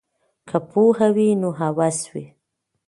که پوهه وي نو هوس وي.